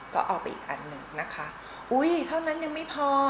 ก็เอาไปอีกอันหนึ่งนะคะอุ้ยเท่านั้นยังไม่พอ